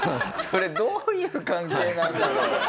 それどういう考えなんだろう？